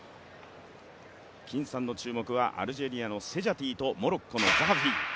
金さんの注目はアルジェリアのセジャティとモロッコのザハフィ。